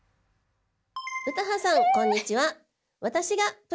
詩羽さんこんにちは。